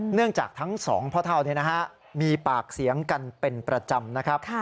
เนื่องจากทั้งสองพ่อเท่ามีปากเสียงกันเป็นประจำนะครับ